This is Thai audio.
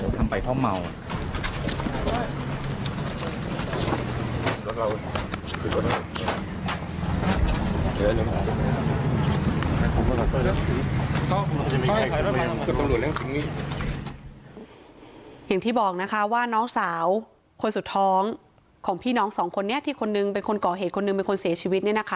คนนี้นายของคนนึงสูบท้องของพี่น้องสองคนเนี้ยคนนึงเป็นคนเกาะเหตุคนนึงเป็นคนเสียชีวิตเนี่ยนะคะ